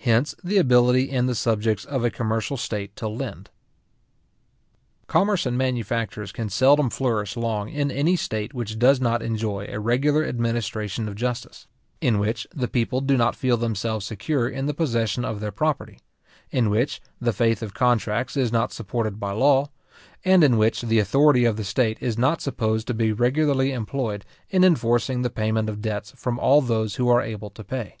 Hence the ability in the subjects of a commercial state to lend. Commerce and manufactures can seldom flourish long in any state which does not enjoy a regular administration of justice; in which the people do not feel themselves secure in the possession of their property; in which the faith of contracts is not supported by law; and in which the authority of the state is not supposed to be regularly employed in enforcing the payment of debts from all those who are able to pay.